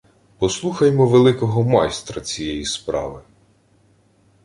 Послухаймо великого майстра «цієї справи»: